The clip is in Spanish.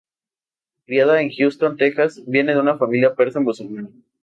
Criada en Houston, Texas, viene de una familia persa musulmana.